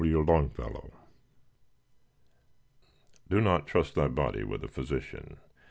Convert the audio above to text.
W. LONGFELLOW Do not trust thy body with a physician.